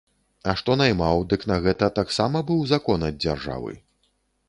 А што наймаў, дык на гэта таксама быў закон ад дзяржавы.